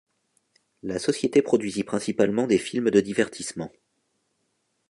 La société produisit principalement des films de divertissement.